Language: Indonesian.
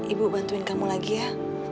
ibu bantuin kamu lagi ya